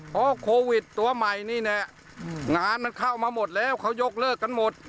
เพราะโควิดตัวใหม่นี่แหละงานมันเข้ามาหมดแล้วเขายกเลิกกันหมด